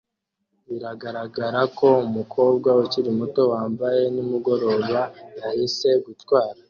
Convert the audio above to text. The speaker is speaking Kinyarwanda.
Biragaragara ko umukobwa ukiri muto wambaye nimugoroba yahisemo gutwara